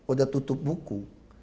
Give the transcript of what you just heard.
udah tutup buku